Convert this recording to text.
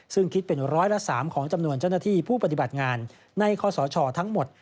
ซึ่งคิดเป็นร้อยละ๓ของจำนวนเจ้าหน้าที่ผู้ปฏิบัติงานในข้อสชทั้งหมด